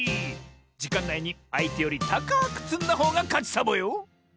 じかんないにあいてよりたかくつんだほうがかちサボよ！